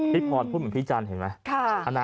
พี่พรพูดเหมือนพี่จันทร์เห็นไหม